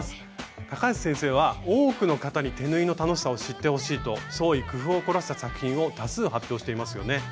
高橋先生は多くの方に手縫いの楽しさを知ってほしいと創意工夫を凝らした作品を多数発表していますよね。